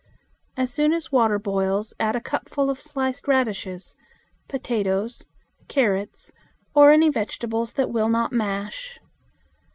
As soon as water boils add a cupful of sliced radishes, potatoes, carrots, or any vegetables that will not mash.